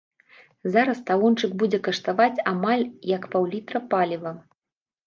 Зараз талончык будзе каштаваць амаль як паўлітра паліва!